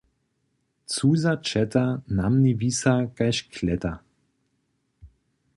Cuza ćeta na mni wisa kaž kleta.